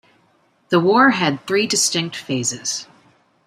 The war had three distinct phases.